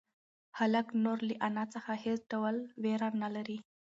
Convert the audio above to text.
هلک نور له انا څخه هېڅ ډول وېره نه لري.